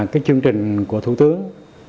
cái chương trình của thủ tướng